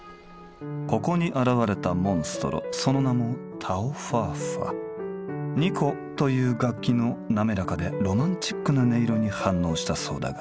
ここに現れたモンストロその名も「二胡」という楽器の滑らかでロマンチックな音色に反応したそうだが。